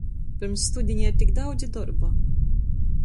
Pyrms studiņa ir tik daudzi dorba.